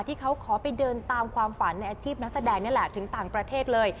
ที่เขาขอไปเดินตามความฝันในอาชีพนักแสดงนี่แหละถึงต่างประเทศเลย